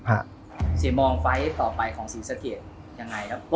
ไอ้เฟ็ตเป็นแฟนมวยนะ